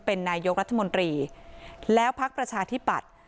เป็นนายกรัฐมนตรีแล้วพักประชาธิปัตย์